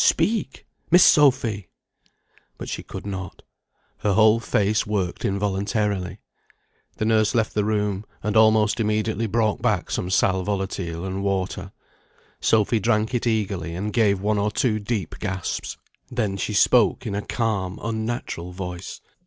Speak! Miss Sophy!" But she could not; her whole face worked involuntarily. The nurse left the room, and almost immediately brought back some sal volatile and water. Sophy drank it eagerly, and gave one or two deep gasps. Then she spoke in a calm unnatural voice.